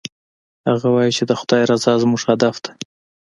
هغه وایي چې د خدای رضا زموږ هدف ده